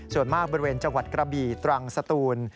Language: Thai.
ส่วนมากบริเวณจังหวัดกระบี่ตรังสตูน